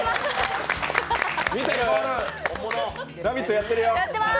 やってるよ。